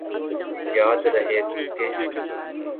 یاد رہے کہ